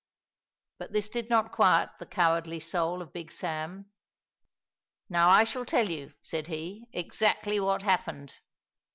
But this did not quiet the cowardly soul of Big Sam. "Now I shall tell you," said he, "exactly what happened.